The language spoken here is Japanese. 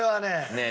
ねえ。